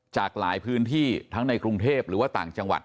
จากหลายพื้นที่ทั้งในกรุงเทพหรือว่าต่างจังหวัด